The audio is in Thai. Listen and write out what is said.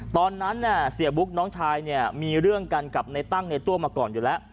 ตอนนั้นเสียบุ๊กน้องชายเนี่ยมีเรื่องกันกับในตั้งในตัวมาก่อนอยู่แล้ว